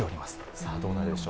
さあ、どうなるでしょう。